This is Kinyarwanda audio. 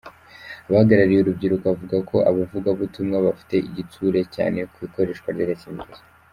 Abahagarariye urubyiruko bavuga ko abavugabutumwa bafite igitsure cyane ku ikoreshwa ry’agakingirizo.